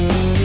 ya itu dia